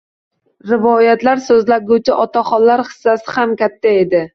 Rivoyatlar so‘zlaguvchi otaxonlar hissasi ham katta edi.